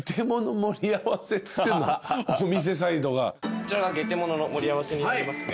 こちらがゲテモノの盛り合わせになりますね。